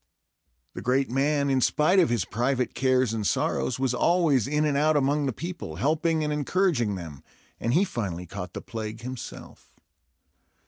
The great man, in spite of his private cares and sorrows, was always in and out among the people, helping and encouraging them, and he finally caught the plague himself.